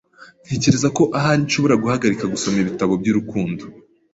Ntekereza ko ahari nshobora guhagarika gusoma ibitabo by'urukundo.